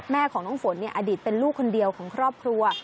แม่ของน้องฝนอดีตเป็นลูกคนเดียวของครอบครัว